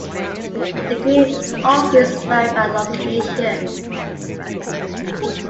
Degree offerings vary by location.